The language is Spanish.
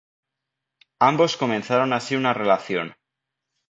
Ambos comenzaron así una relación.